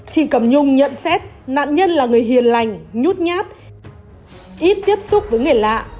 chị cẩm nhung nhận xét nạn nhân là người hiền lành nhút nhát ít tiếp xúc với người lạ